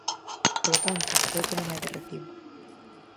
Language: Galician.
Polo tanto, creo que non é de recibo.